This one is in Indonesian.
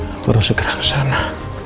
aku harus segera ke sana